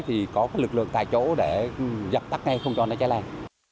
thì có cái lực lượng tại chỗ để dập tắt ngay không cho nó cháy lan